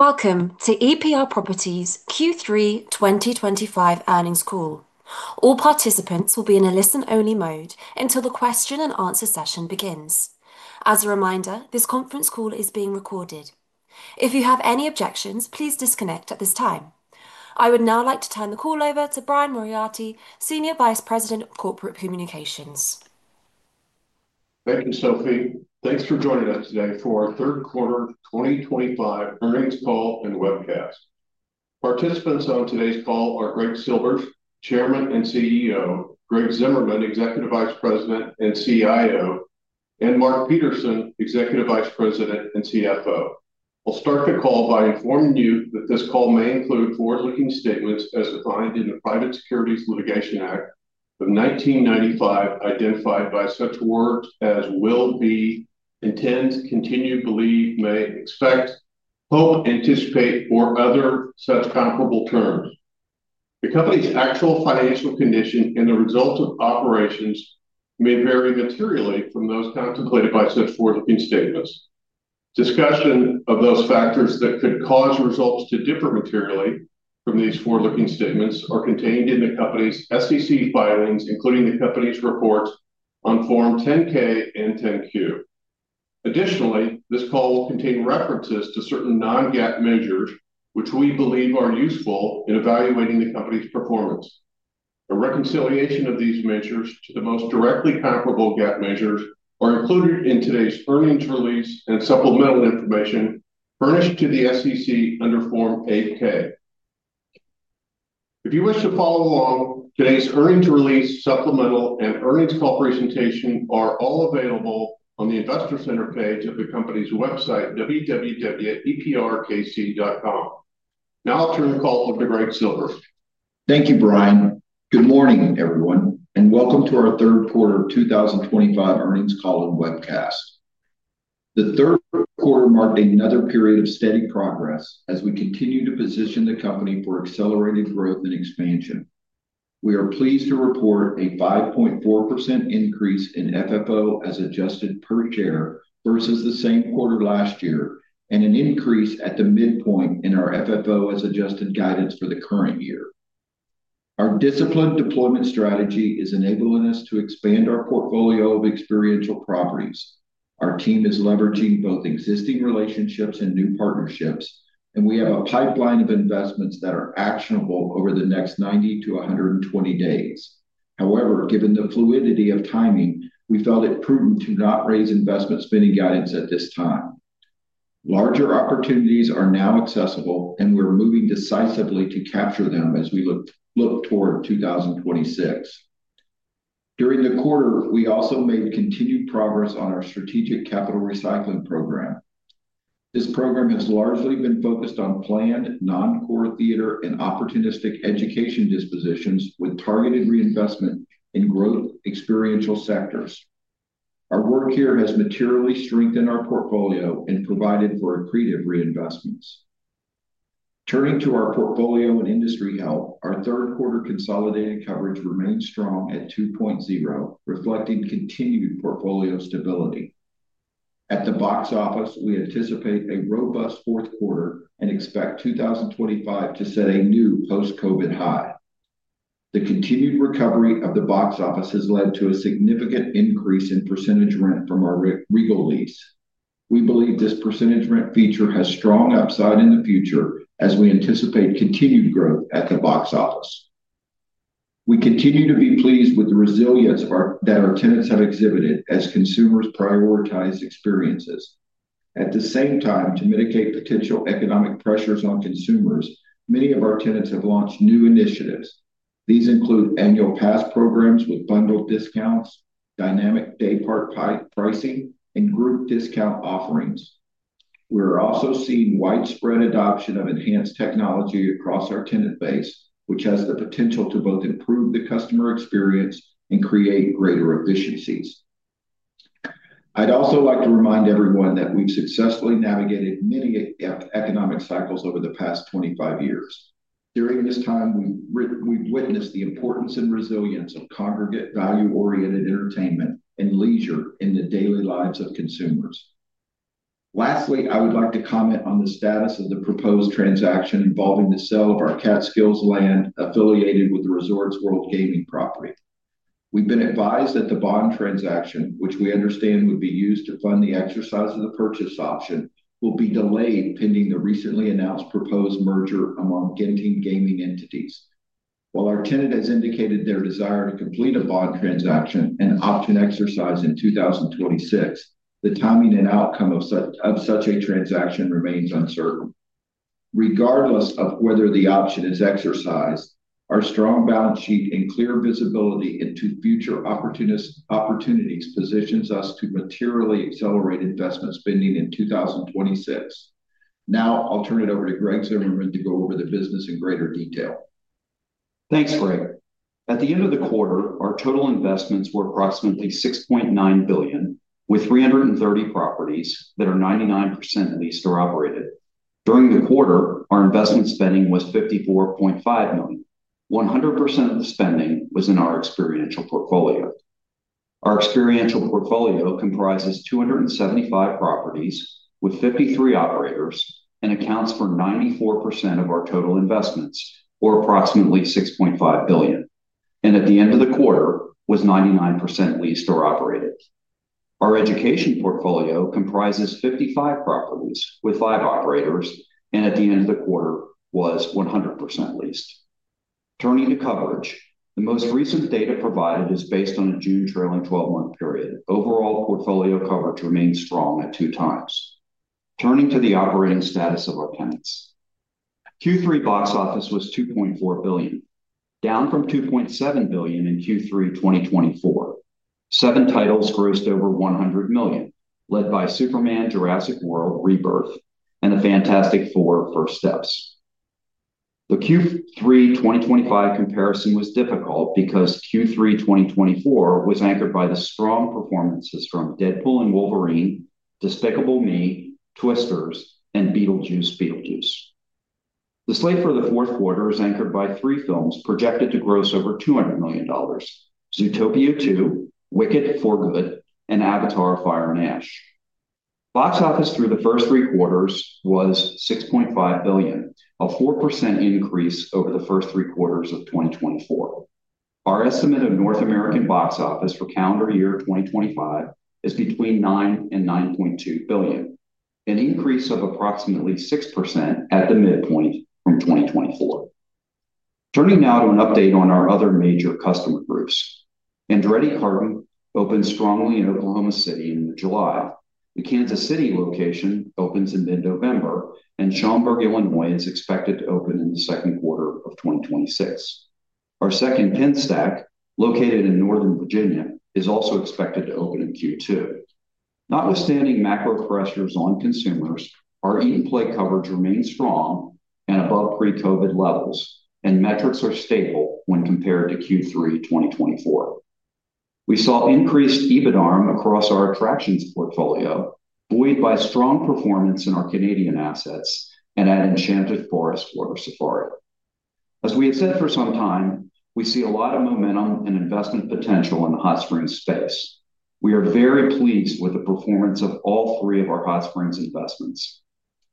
Welcome to EPR Properties' Q3 2025 earnings call. All participants will be in a listen only mode until the question and answer session begins. As a reminder, this conference call is being recorded. If you have any objections, please disconnect at this time. I would now like to turn the call over to Brian Moriarty, Senior Vice President of Corporate Communications. Thank you, Sophie. Thanks for joining us today for our EPR Properties call third quarter 2025 earnings call and webcast. Participants on today's call are Greg Silvers, Chairman and CEO, Greg Zimmerman, Executive Vice President and CIO, and Mark Peterson, Executive Vice President and CFO. We'll start the call by informing you that this call may include forward-looking statements as defined in the Private Securities Litigation Act of 1995, identified by such words as will be, intends, continue, believe, may, expect, hope, anticipate, or other such comparable terms. The Company's actual financial condition and the results of operations may vary materially from those contemplated by such forward-looking statements. Discussion of those factors that could cause results to differ materially from these forward-looking statements are contained in the Company's SEC filings, including the Company's report on Form 10-K and 10-Q. Additionally, this call will contain references to certain non-GAAP measures which we believe are useful in evaluating the Company's performance. A reconciliation of these measures to the most directly comparable GAAP measures are included in today's earnings release and supplemental information furnished to the SEC under Form 8-K. If you wish to follow along, today's earnings release, supplemental, and earnings call presentation are all available on the Investor Center page of the Company's website, www.eprkc.com. Now I'll turn the call over to Greg Silvers. Thank you, Brian. Good morning, everyone, and welcome to our third quarter 2025 earnings call and webcast. The third quarter marked another period of steady progress as we continue to position the Company for accelerated growth and expansion. We are pleased to report a 5.4% increase in FFO as adjusted per share versus the same quarter last year and an increase at the midpoint in our FFO as adjusted guidance for the current year. Our disciplined deployment strategy is enabling us to expand our portfolio of experiential properties. Our team is leveraging both existing relationships and new partnerships, and we have a pipeline of investments that are actionable over the next 90-120 days. However, given the fluidity of timing, we felt it prudent to not raise investment spending guidance at this time. Larger opportunities are now accessible, and we're moving decisively to capture them as we look toward 2026. During the quarter, we also made continued progress on our Strategic Capital Recycling program. This program has largely been focused on planned non-core theatre and opportunistic education dispositions with targeted reinvestment in growth experiential sectors. Our work here has materially strengthened our portfolio and provided for accretive reinvestments. Turning to our portfolio and industry health, our third quarter consolidated coverage remains strong at 2.0, reflecting continued portfolio stability at the box office. We anticipate a robust fourth quarter and expect 2025 to set a new post-Covid high. The continued recovery of the box office has led to a significant increase in percentage rent from our Regal lease. We believe this percentage rent feature has strong upside in the future as we anticipate continued growth at the box office. We continue to be pleased with the resilience that our tenants have exhibited as consumers prioritize experiences. At the same time, to mitigate potential economic pressures on consumers, many of our tenants have launched new initiatives. These include annual pass programs with bundled discounts, dynamic daypart pricing, and group discount offerings. We're also seeing widespread adoption of enhanced technology across our tenant base, which has the potential to both improve the customer experience and create greater efficiencies. I'd also like to remind everyone that we've successfully navigated many economic cycles over the past 25 years. During this time, we've witnessed the importance and resilience of congregate, value-oriented entertainment and leisure in the daily lives of consumers. Lastly, I would like to comment on the status of the proposed transaction involving the sale of our Catskills land affiliated. With the Resorts World Gaming property, we've been advised that the bond transaction, which we understand would be used to fund the exercise of the purchase option, will be delayed pending the recently announced proposed merger among Genting gaming entities. While our tenant has indicated their desire to complete a bond transaction and option exercise in 2026, the timing and outcome of such a transaction remains uncertain regardless of whether the option is exercised. Our strong balance sheet and clear visibility into future opportunities positions us to materially accelerate investment spending in 2026. Now I'll turn it over to Greg Zimmerman to go over the business in greater detail. Thanks, Greg. At the end of the quarter, our total investments were approximately $6.9 billion with 330 properties that are 99% leased or operated. During the quarter, our investment spending was $54.5 million. 100% of the spending was in our experiential portfolio. Our experiential portfolio comprises 275 properties with 53 operators and accounts for 94% of our total investments, or approximately $6.5 billion, and at the end of the quarter was 99% leased or operated. Our education portfolio comprises 55 properties with 5 operators and at the end of the quarter was 100% leased. Turning to coverage, the most recent data provided is based on a June trailing twelve month period. Overall portfolio coverage remains strong at 2x. Turning to the operating status of our tenants, Q3 box office was $2.4 billion, down from $2.7 billion in Q3 2024. Seven titles grossed over $100 million, led by Superman, Jurassic World, Rebirth, and The Fantastic Four First Steps. The Q3 2025 comparison was difficult because Q3 2024 was anchored by the strong performances from Deadpool and Wolverine, Despicable Me, Twisters, and Beetlejuice. The slate for the fourth quarter is anchored by three films projected to gross over $200 million: Zootopia 2, Wicked for Good, and Avatar Fire and Ash. Box office through the first three quarters was $6.5 billion, a 4% increase over the first three quarters of 2024. Our estimate of North American box office for calendar year 2025 is between $9 billion and $9.2 billion, an increase of approximately 6% at the midpoint from 2024. Turning now to an update on our other major customer groups, Andretti Karting opened strongly in Oklahoma City in July, the Kansas City location opens in mid-November, and Schaumburg, Illinois is expected to open in the second quarter of 2026. Our second PenStack located in Northern Virginia is also expected to open in Q2. Notwithstanding macro pressures on consumers, our in-play coverage remains strong and above pre-COVID levels, and metrics are stable when compared to Q3 2024. We saw increased EBITDARM across our attractions portfolio, buoyed by strong performance in our Canadian assets and at Enchanted Forest Water Safari. As we have said for some time, we see a lot of momentum and investment potential in the hot springs space. We are very pleased with the performance of all three of our hot springs investments,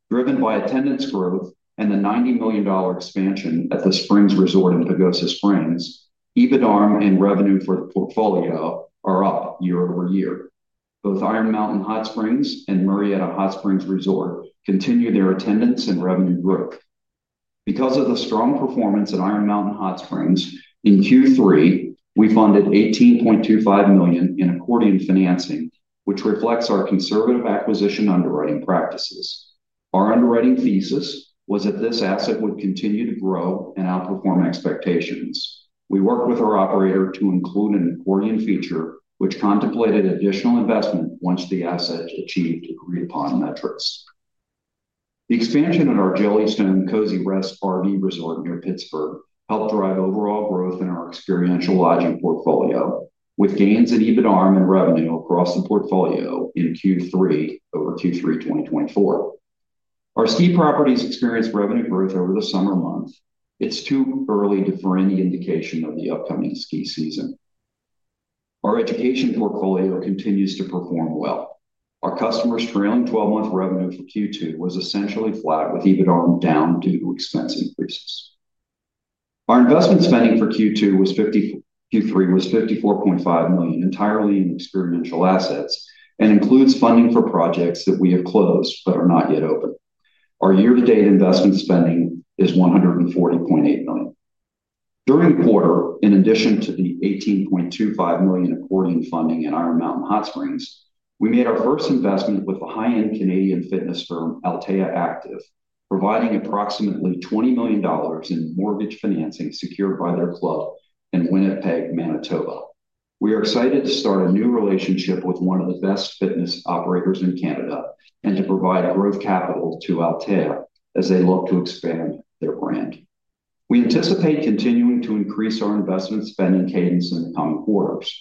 driven by attendance growth and the $90 million expansion at The Springs Resort in Pagosa Springs. EBITDARM and revenue for the portfolio are up year-over-year. Both Iron Mountain Hot Springs and Murrieta Hot Springs Resort continue their attendance and revenue growth because of the strong performance at Iron Mountain Hot Springs. In Q3 we funded $18.25 million in accordion financing, which reflects our conservative acquisition underwriting practices. Our underwriting thesis was that this asset would continue to grow and outperform expectations. We worked with our operator to include an accordion feature, which contemplated additional investment once the assets achieved agreed-upon metrics. The expansion of our Jellystone Cozy Rest RV Resort near Pittsburgh helped drive overall growth in our experiential lodging portfolio, with gains in EBITDARM and revenue across the portfolio in Q3 over Q3 2024. Our ski properties experienced revenue growth over the summer months. It's too early for any indication of the upcoming ski season. Our education portfolio continues to perform well. Our customers' trailing 12-month revenue for Q2 was essentially flat, with EBITDA down due to expense increases. Our investment spending for Q2 was $50 million. Q3 was $54.5 million, entirely in experiential assets, and includes funding for projects that we have closed but are not yet open. Our year-to-date investment spending is $140.8 million. During the quarter, in addition to the $18.25 million accordion funding at Iron Mountain Hot Springs, we made our first investment with the high-end Canadian fitness firm Altea Active, providing approximately $20 million in mortgage financing secured by their club in Winnipeg, Manitoba. We are excited to start a new relationship with one of the best fitness operators in Canada and to provide growth capital to Altea as they look to expand their brand. We anticipate continuing to increase our investment spending cadence in the coming quarters.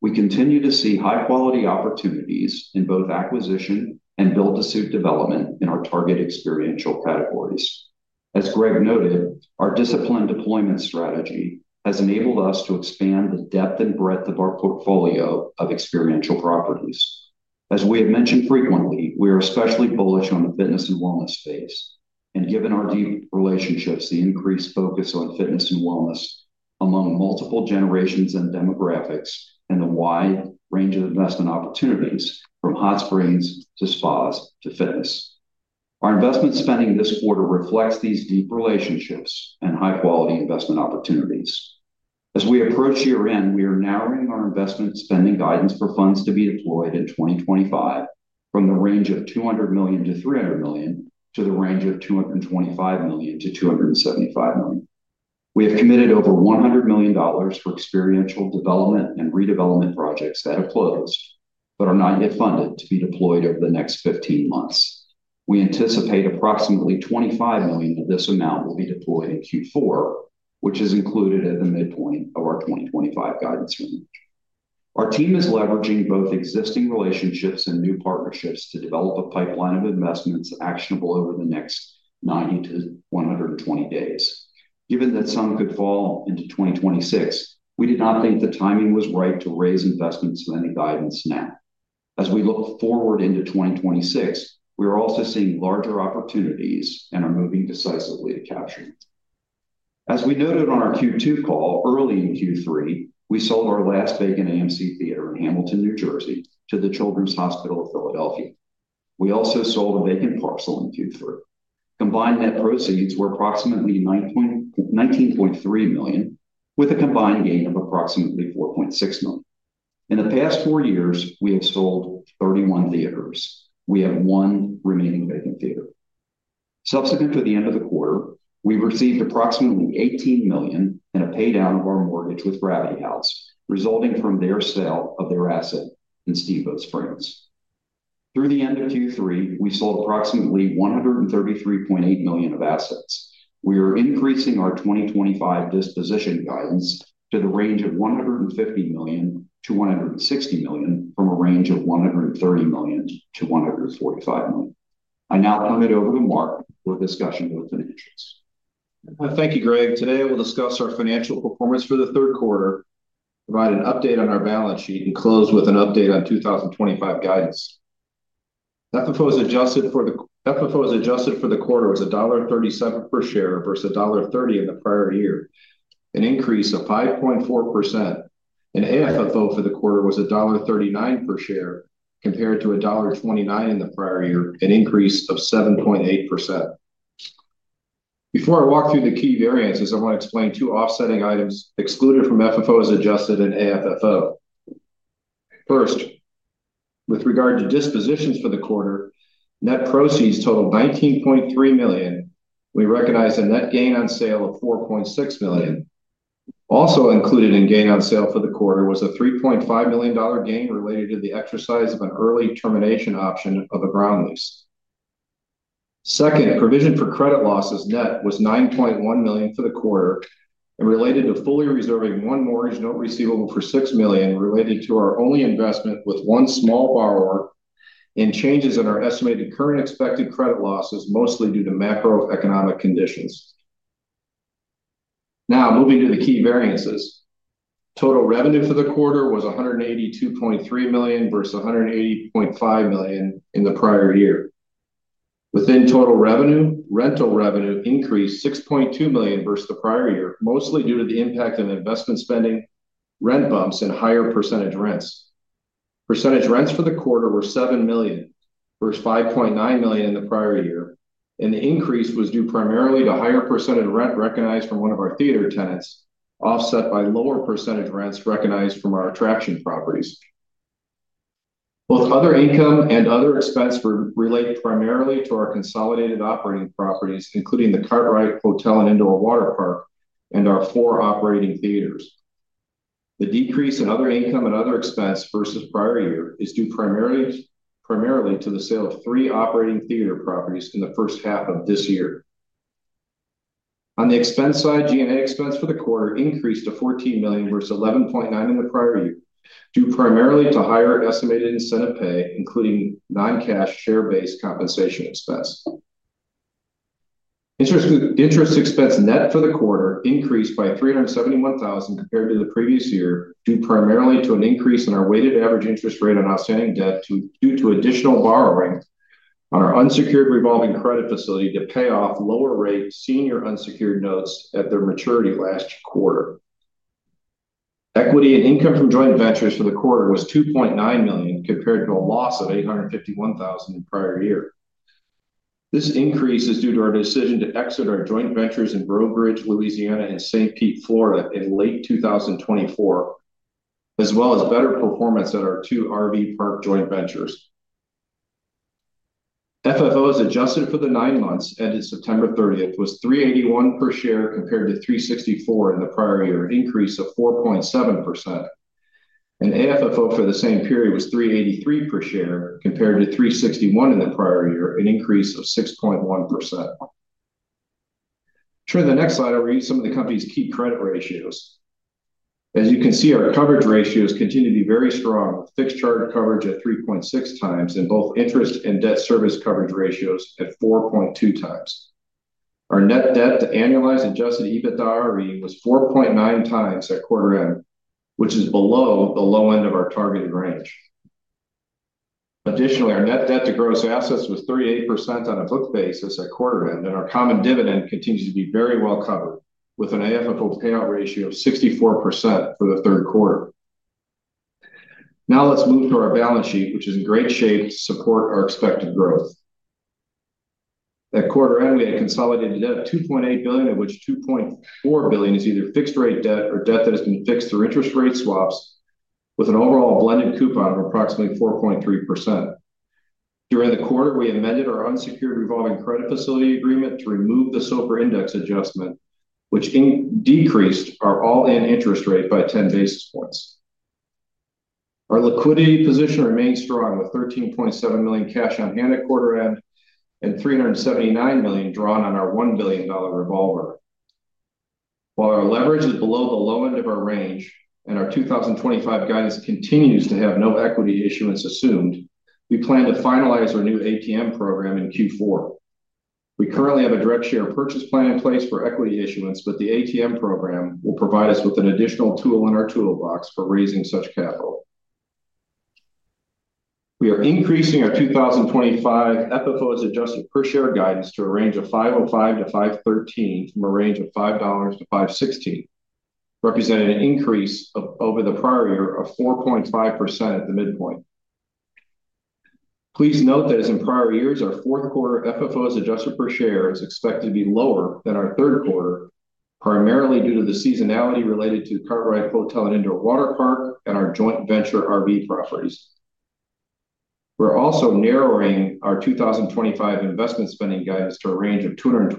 We continue to see high-quality opportunities in both acquisition and build-to-suit development in our target experiential categories. As Greg noted, our disciplined deployment strategy has enabled us to expand the depth and breadth of our portfolio of experiential properties. As we have mentioned frequently, we are especially bullish on the fitness and wellness space, and given our deep relationships, the increased focus on fitness and wellness among multiple generations and demographics, and the wide range of investment opportunities from hot springs to spas to fitness. Our investment spending this quarter reflects these deep relationships and high-quality investment opportunities. As we approach year end, we are narrowing our investment spending guidance for funds to be deployed in 2025 from the range of $200 million-$300 million to the range of $225 million-$275 million. We have committed over $100 million for experiential development and redevelopment projects that have closed but are not yet funded to be deployed over the next 15 months. We anticipate approximately $25 million of this amount will be deployed in Q4, which is included at the midpoint of our 2025 guidance. Our team is leveraging both existing relationships and new partnerships to develop a pipeline of investments actionable over the next 90-120 days. Given that some could fall into 2026, we did not think the timing was right to raise investments in any guidance. Now, as we look forward into 2026, we are also seeing larger opportunities and are moving decisively to capture. As we noted on our Q2 call, early in Q3 we sold our last vacant AMC theater in Hamilton, New Jersey to the Children's Hospital of Philadelphia. We also sold a vacant parcel in Q3. Combined net proceeds were approximately $19.3 million with a combined gain of approximately $4.6 million. In the past four years, we have sold 31 theaters. We have one remaining vacant theater. Subsequent to the end of the quarter, we received approximately $18 million in a paydown of our mortgage with Gravity House resulting from their sale of their asset in Steamboat Springs. Through the end of Q3, we sold approximately $133.8 million of assets. We are increasing our 2025 disposition guidance to the range of $150 million-$160 million from a range of $130 million-$145 million. I now turn it over to Mark for a discussion of the financials. Thank you, Greg. Today we'll discuss our financial performance for the third quarter, provide an update on our balance sheet, and close with an update on 2025 guidance. FFO as adjusted for the quarter was $1.37 per share versus $1.30 in the prior year, an increase of 5.4%. AFFO for the quarter was $1.39 per share compared to $1.29 in the prior year, an increase of 7.8%. Before I walk through the key variances, I want to explain two offsetting items excluded from FFO as adjusted and AFFO. First, with regard to dispositions for the quarter, net proceeds totaled $19.3 million. We recognized a net gain on sale of $4.6 million. Also included in gain on sale for the quarter was a $3.5 million gain related to the exercise of an early termination option of a ground lease. Second, provision for credit losses, net, was $9.1 million for the quarter and related to fully reserving one mortgage note receivable for $6 million related to our only investment with one small borrower and changes in our estimated current expected credit losses, mostly due to macroeconomic conditions. Now moving to the key variances, total revenue for the quarter was $182.3 million versus $180.5 million in the prior year. Within total revenue, rental revenue increased $6.2 million versus the prior year, mostly due to the impact of investment spending, rent bumps, and higher percentage rents. Percentage rents for the quarter were $7 million versus $5.9 million in the prior year, and the increase was due primarily to higher percentage rent recognized from one of our theater tenants, offset by lower percentage rents recognized from our attraction properties. Both other income and other expense relate primarily to our consolidated operating properties, including the Cartwright hotel and indoor water park and our four operating theaters. The decrease in other income and other expense versus prior year is due primarily to the sale of three operating theater properties in the first half of this year. On the expense side, G&A expense for the quarter increased to $14 million versus $11.9 million in the prior year due primarily to higher estimated incentive pay including non-cash share-based compensation expense. Interest expense, net, for the quarter increased by $371,000 compared to the previous year due primarily to an increase in our weighted average interest rate on outstanding debt due to additional borrowing on our unsecured revolving credit facility to pay off lower rate senior unsecured notes at their maturity last quarter. Equity in income from joint ventures for the quarter was $2.9 million compared to a loss of $851,000 in the prior year. This increase is due to our decision to exit our joint ventures in Bro Bridge, Louisiana and St. Pete, Florida in late 2024 as well as better performance at our two RV park joint ventures. FFO as adjusted for the nine months ended September 30th was $3.81 per share compared to $3.64 in the prior year, an increase of 4.7%, and AFFO for the same period was $3.83 per share compared to $3.61 in the prior year, an increase of 6.1%. Turn to the next slide, overview some of the company's key credit ratios. As you can see, our coverage ratios continue to be very strong with fixed charge coverage at 3.6x and both interest and debt service coverage ratios at 4.2x. Our net debt to annualized adjusted EBITDAre was 4.9x at quarter end, which is below the low end of our targeted range. Additionally, our net debt to gross assets was 38% on a book basis at quarter end, and our common dividend continues to be very well covered with an AFFO payout ratio of 64% for the third quarter. Now let's move to our balance sheet, which is in great shape to support our expected growth at quarter end. We had consolidated debt of $2.8 billion, of which $2.4 billion is either fixed rate debt or debt that has been fixed through interest rate swaps with an overall blended coupon of approximately 4.3% during the quarter. We amended our unsecured revolving credit facility agreement to remove the SOFR index adjustment, which decreased our all-in interest rate by 10 basis points. Our liquidity position remains strong with $13.7 million cash on hand at quarter end and $379 million drawn on our $1 billion revolver. While our leverage is below the low end of our range and our 2025 guidance continues to have no equity issuance assumed, we plan to finalize our new ATM equity program in Q4. We currently have a direct share purchase plan in place for equity issuance, but the ATM equity program will provide us with an additional tool in our toolbox for raising such capital. We are increasing our 2025 FFO as adjusted per share guidance to a range of $5.05-$5.13 from a range of $5.00-$5.16, representing an increase over the prior year of 4.5% at the midpoint. Please note that as in prior years, our fourth quarter FFO as adjusted per share is expected to be lower than our third quarter, primarily due to the seasonality related to Cartrett Hotel and Indoor Water Park and our joint venture RV properties. We're also narrowing our 2025 investment spending guidance to a range of $225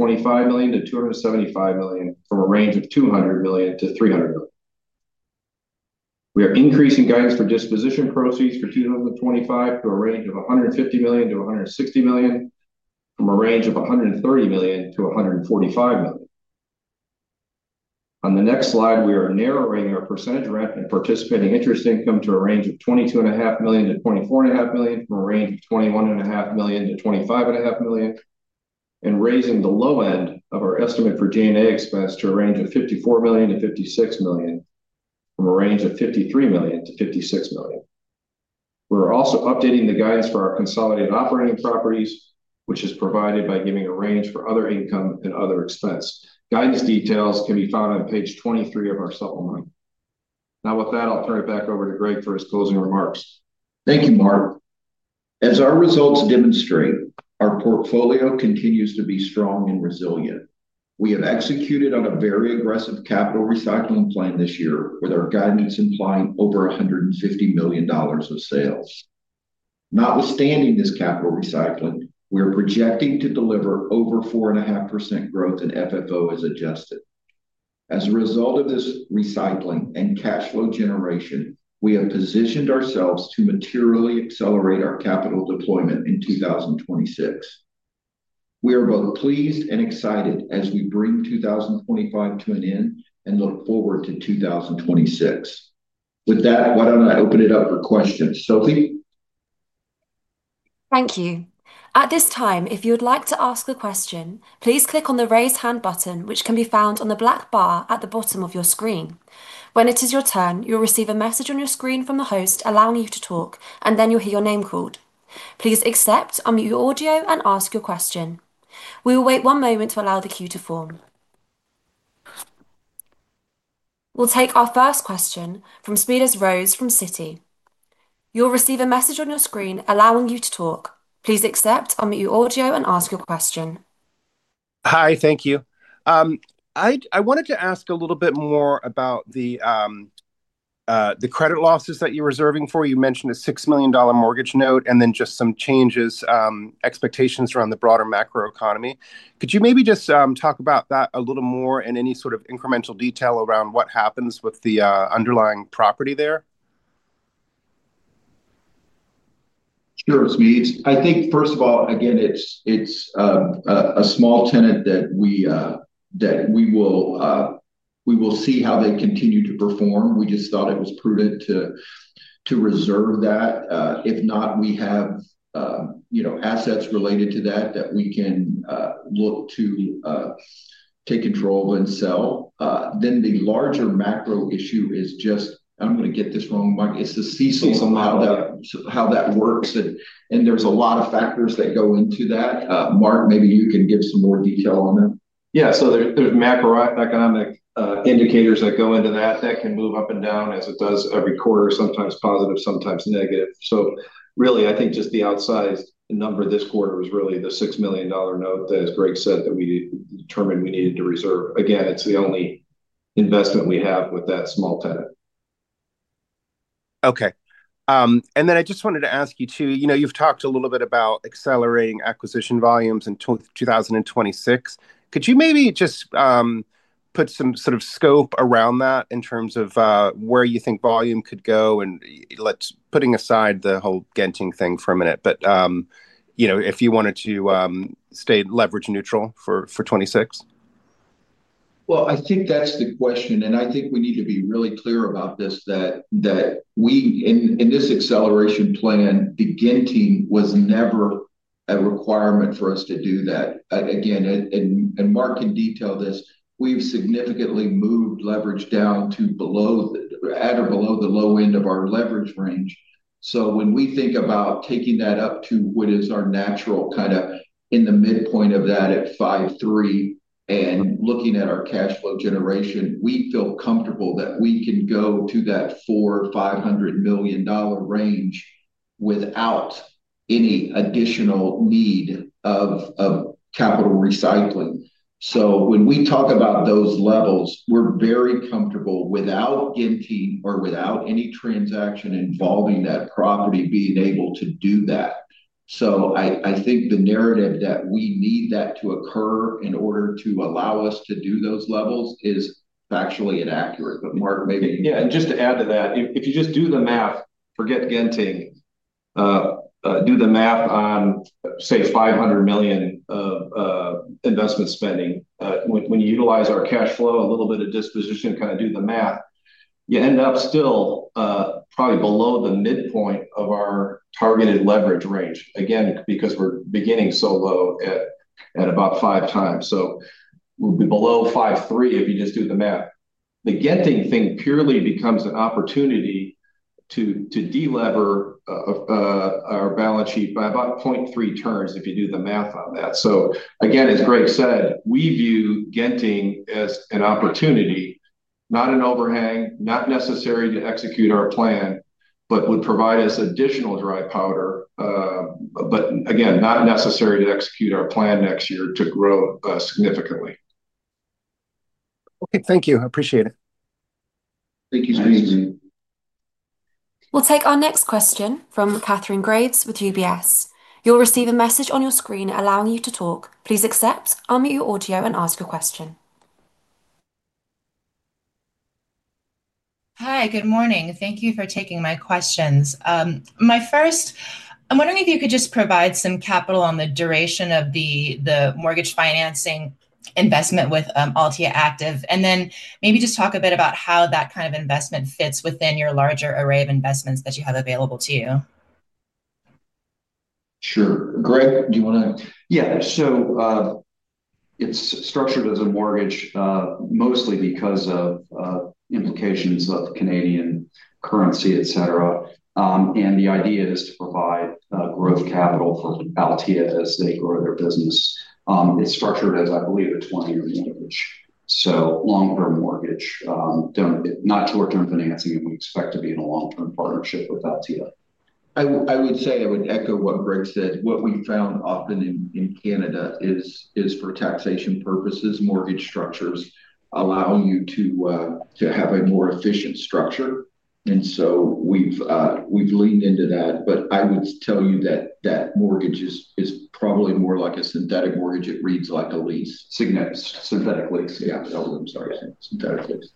million-$275 million, from a range of $200 million-$300 million. We are increasing guidance for disposition proceeds for 2025 to a range of $150 million-$160 million, from a range of $130 million-$145 million. On the next slide, we are narrowing our percentage rent and participating interest income to a range of $22.5 million-$24.5 million, from a range of $21.5 million-$25.5 million, and raising the low end of our estimate for G&A expense to a range of $54 million-$56 million, from a range of $53 million-$56 million. We're also updating the guidance for our consolidated operating properties, which is provided by giving a range for other income and other expense. Guidance details can be found on page 23 of our supplement. Now with that, I'll turn it back over to Greg for his closing remarks. Thank you, Mark. As our results demonstrate, our portfolio continues to be strong and resilient. We have executed on a very aggressive capital recycling plan this year with our guidance implying over $150 million of sales. Notwithstanding this capital recycling, we are projecting to deliver over 4.5% growth in FFO as adjusted. As a result of this recycling and cash flow generation, we have positioned ourselves to materially accelerate our capital deployment in 2026. We are both pleased and excited as we bring 2025 to an end and look forward to 2026. With that, why don't I open it up for questions? Sophie. Thank you. At this time, if you would like to ask a question, please click on the raise hand button which can be found on the black bar at the bottom of your screen. When it is your turn, you'll receive a message on your screen from the host allowing you to talk. You'll hear your name called. Please accept, unmute your audio, and ask your question. We will wait one moment to allow the queue to form. We'll take our first question from Smedes Rose from Citi. You'll receive a message on your screen allowing you to talk. Please accept, unmute your audio, and ask your question. Hi. Thank you. I wanted to ask a little bit more about the credit losses that you're reserving for. You mentioned a $6 million mortgage note and then just some changes in expectations around the broader macro economy. Could you maybe just talk about that a little more and any sort of incremental detail around what happens with the underlying property there? Sure. I think first of all, again, it's a small tenant that we will see how they continue to perform. We just thought it was prudent to reserve that. If not, we have assets related to that that we can look to take control of and sell. The larger macro issue is just, I'm going to get this wrong, it's the CECL, how that works, and there's a lot of factors that go into that. Mark, maybe you can give some more detail on that. Yeah, there are macroeconomic indicators that go into that can move up down as it does every quarter, sometimes positive, sometimes negative. I think just the outsized number this quarter was really the $6 million note that, as Greg said, we determined we needed to reserve. Again, it's the only investment we have with that small tenant. Okay. I just wanted to ask you too, you know, you've talked a little bit about accelerating acquisition volumes and 2026. Could you maybe just put some sort of scope around that in terms of where you think volume could go, and let's put aside the whole Genting thing for a minute, but you know, if you wanted to stay leverage neutral for 2026. I think that's the question. I think we need to be really clear about this, that we in this acceleration plan, Begin team was never a requirement for us to do that again. Mark can detail this. We've significantly moved leverage down to at or below the low end of our leverage range. When we think about taking that up to what is our natural kind of in the midpoint of that at 5.3 and looking at our cash flow generation, we feel comfortable that we can go to that $4,500 million range without any additional need of strategic capital recycling. When we talk about those levels, we're very comfortable without Genting or without any transaction involving that property being able to do that. I think the narrative that we need that to occur in order to allow us to do those levels is factually inaccurate. Mark, maybe. Yeah, just to add to that, if you just do the math, forget Genting, do the math on say $500 million of investment spending. When you utilize our cash flow, a little bit of disposition, kind of do the math, you end up still probably below the midpoint of our targeted leverage range. Again, because we're beginning so low at about five times. We'll be below 5.3 if you just do the math. The Genting thing purely becomes an opportunity to delever our balance sheet by about 0.3 turns if you do the math on that. As Greg said, we view Genting as an opportunity, not an overhang, not necessary to execute our plan, but would provide us additional dry powder but again not necessary to execute our plan next year to grow significantly. Okay, thank you. I appreciate it. Thank you. We'll take our next question from Kathryn Graves with UBS. You'll receive a message on your screen allowing you to talk. Please accept, unmute your audio, and ask a question. Hi, good morning. Thank you for taking my questions. My first, I'm wondering if you could just provide some capital on the duration of the mortgage financing investment with Altea Active, and then maybe just talk a bit about how that kind of investment fits within your larger array of investments that you have available to you. Sure. Greg, do you want to? Yeah. It's structured as a mortgage mostly because of implications of Canadian currency, etc. The idea is to provide growth capital to fund Altea as they grow their business. It's structured as, I believe, a 20-year mortgage. Long-term mortgage, not short-term financing. We expect to be in a long-term partnership with Altea. I would say I would echo what Greg said. What we found often in Canada is for taxation purposes, mortgage structures allow you to have a more efficient structure, and so we've leaned into that. I would tell you that mortgage is probably more like a synthetic mortgage. It reads like a lease. Significant synthetic links. I'm sorry, synthetic links.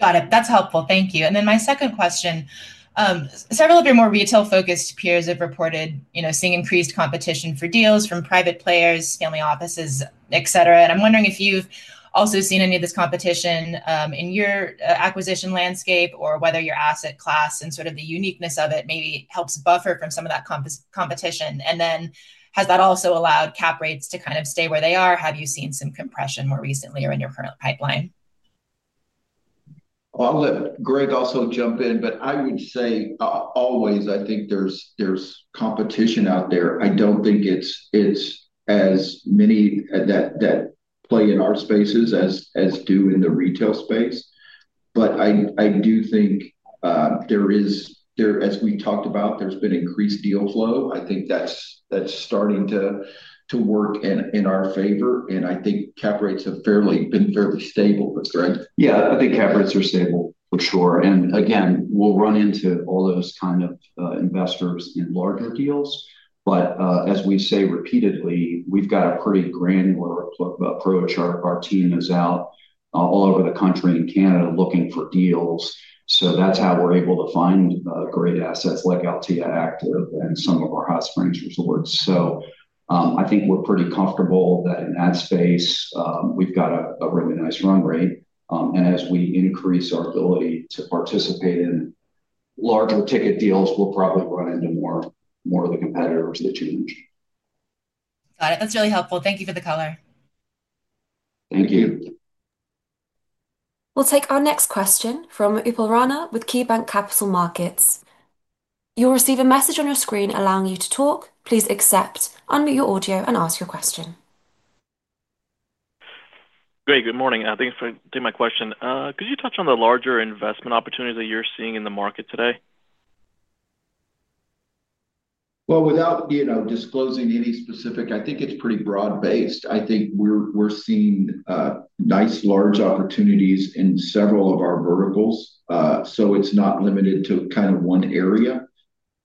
Got it. That's helpful. Thank you. My second question: several of your more retail-focused peers have reported seeing increased competition for deals from private players, family offices, etc. I'm wondering if you've also seen any of this competition in your acquisition landscape or whether your asset class and the uniqueness of it maybe helps buffer from some of that competition. Has that also allowed cap rates to stay where they are? Have you seen some compression more recently or in your current pipeline? I'll let Greg also jump in, but I would say always, I think there's competition out there. I don't think it's as many that play in our spaces as do in the retail space, but I do think there is. As we talked about, there's been increased deal flow. I think that's starting to work in our favor, and I think cap rates have been fairly stable. Yeah, I think cap rates are stable for sure. Again, we'll run into all those kind of investors in larger deals. As we say repeatedly, we've got a pretty granular approach. Our team is out all over the country in Canada looking for deals. That's how we're able to find great assets like Altea Active and some of our hot springs resorts. I think we're pretty comfortable that in that space we've got a really nice run rate. As we increase our ability to participate in larger ticket deals, we'll probably run into more of the competitors that you mentioned. Got it. That's really helpful. Thank you for the color. Thank you. We'll take our next question from Upal Rana with KeyBanc Capital Markets. You'll receive a message on your screen allowing you to talk. Please accept, unmute your audio, and ask your question. Great. Good morning. Thanks for taking my question. Could you touch on the larger investment opportunities that you're seeing in the market today? I think it's pretty broad based. I think we're seeing nice large opportunities in several of our verticals. It's not limited to kind of one area.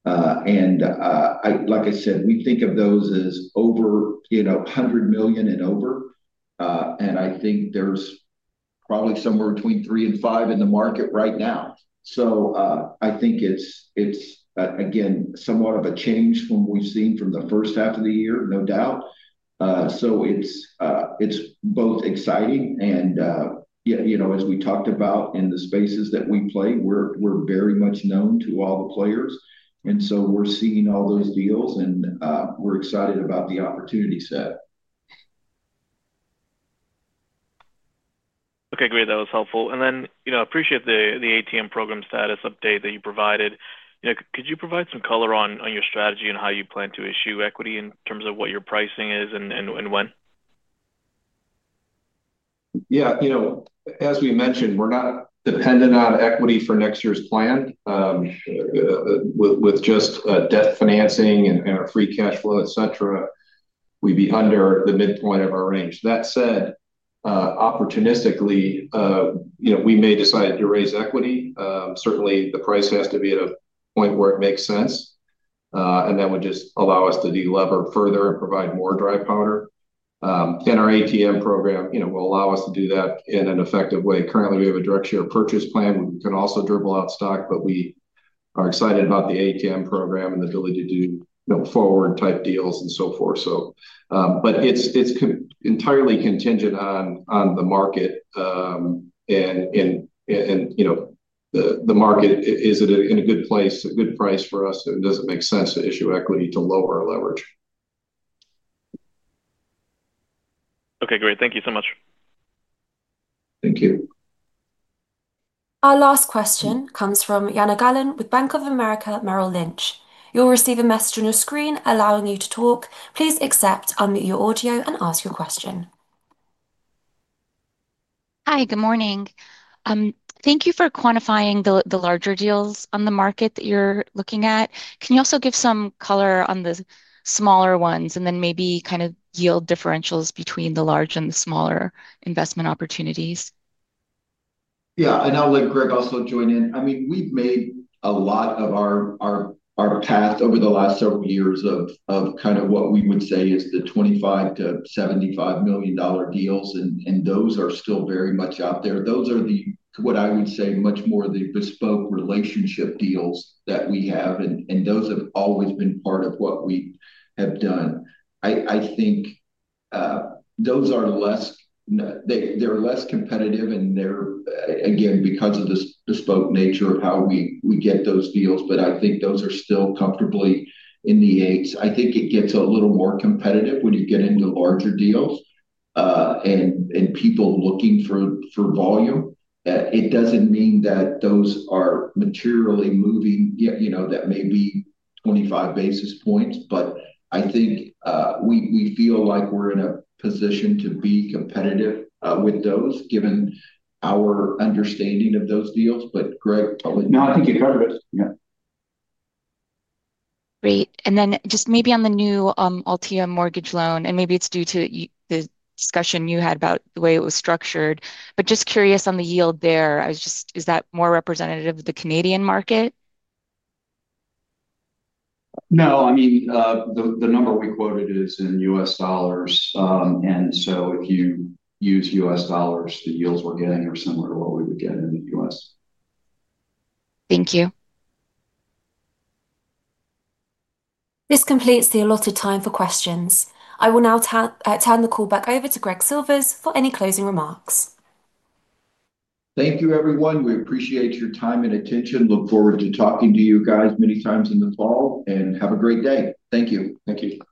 Like I said, we think of those as over $100 million and over. I think there's probably somewhere between 3-5 in the market right now. It's again somewhat of a change from what we've seen from the first half of the year, no doubt. It's both exciting and, as we talked about in the spaces that we play, we're very much known to all the players and we're seeing all those deals and we're excited about the opportunity set. Okay, great. That was helpful. I appreciate the ATM equity program status update that you provided. Could you provide some color on your strategy and how you plan to issue equity in terms of what your pricing is and when? Yeah, you know, as we mentioned, we're not dependent on equity for next year's plan. With just debt financing and our free cash flow, et cetera, we'd be under the midpoint of our range. That said, opportunistically, you know, we may decide to raise equity. Certainly the price has to be at a point where it makes sense, and that would just allow us to de-lever further and provide more dry powder. Our ATM equity program, you know, will allow us to do that in an effective way. Currently, we have a direct share purchase plan. We can also dribble out stock. We are excited about the ATM equity program and the ability to do, you know, forward type deals and so forth. So, it's entirely contingent on the market, and you know, the market is in a good place, a good price for us. Does it make sense to issue equity to lower leverage? Okay, great. Thank you so much. Thank you. Our last question comes from Jana Galan with Bank of America Merrill Lynch. You'll receive a message on your screen allowing you to talk. Please accept. Unmute your audio and ask your question. Hi, good morning. Thank you for quantifying the larger deals on the market that you're looking at. Can you also give some color on the smaller ones, and then maybe kind of yield differentials between the large and the smaller investment opportunities? Yeah, I'll let Greg also join in. We've made a lot of our path over the last several years of what we would say is the $25 million-$75 million deals, and those are still very much out there. Those are what I would say are much more the bespoke relationship deals that we have, and those have always been part of what we have done. I think those are less competitive. They're, again, because of this bespoke nature of how we get those deals. I think those are still comfortably in. I think it gets a little more competitive when you get into larger deals and people looking for volume. It doesn't mean that those are materially moving. That may be 25 basis points, but I think we feel like we're in a position to be competitive with those given our understanding of those deals. I think you covered it, Greg. Great. Just maybe on the new Altea mortgage loan, and maybe it's due to the discussion you had about the way it was structured. Just curious on the yield there, I was just, is that more representative of the Canadian market? No. I mean, the number we quoted is in U.S. Dollars. If you use U.S. Dollars, the yields we're getting are similar to what we would get in the U.S. Thank you. This completes the allotted time for questions. I will now turn the call back over to Greg Silvers for any closing remarks. Thank you, everyone. We appreciate your time and attention. Look forward to talking to you guys many times in the fall, and have a great day. Thank you. Thank you.